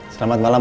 selamat malam om